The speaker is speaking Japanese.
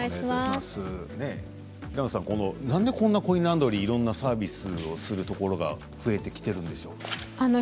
平野さん、なんでこんなコインランドリーいろんなサービスをするところが増えてきているんでしょうか。